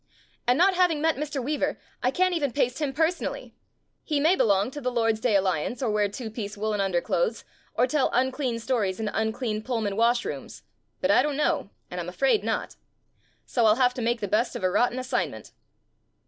And not having met Mr. Weaver, I can't even paste him personally. He may belong to the Lord's Day Alliance or wear two piece woolen underclothes or tell unclean stories in unclean Pull man washrooms. But I don't know and I'm afraid not. So rU have to make the best of a rotten assignment.